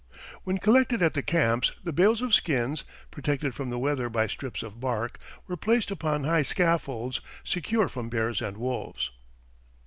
When collected at the camps, the bales of skins, protected from the weather by strips of bark, were placed upon high scaffolds, secure from bears and wolves.